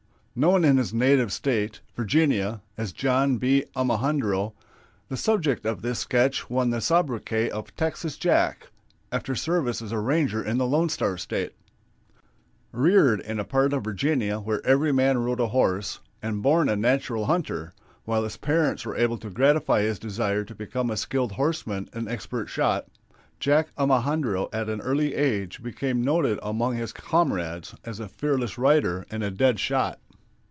Known in his native State, Virginia, as John B. Omohundro, the subject of this sketch won the sobriquet of "Texas Jack" after service as a ranger in the Lone Star State. [Illustration: TEXAS JACK.] Reared in a part of Virginia where every man rode a horse, and born a natural hunter, while his parents were able to gratify his desire to become a skilled horseman and expert shot, Jack Omohundro at an early age became noted among his comrades as a fearless rider and a dead shot.